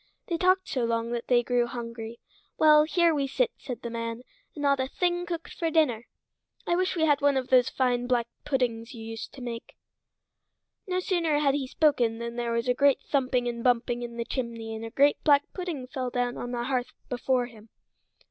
They talked so long that they grew hungry. "Well, here we sit," said the man, "and not a thing cooked for dinner. I wish we had one of those fine black puddings you used to make." No sooner had he spoken than there was a great thumping and bumping in the chimney and a great black pudding fell down on the hearth before him.